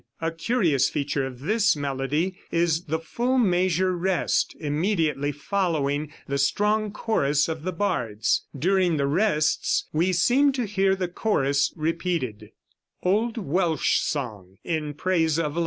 A curious feature of this melody is the full measure rest, immediately following the strong chorus of the bards. During the rests we seem to hear the chorus repeated. [Music illustration: OLD WELSH SONG, IN PRAISE OF LOVE. SOLO.